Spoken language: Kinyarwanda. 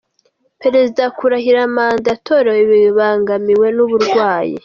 Perezida kurahirira manda yatorewe bibangamiwe n’uburwayi